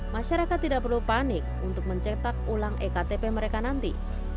masyarakat tidak perlu panik untuk mencetak ulang ektp mereka nanti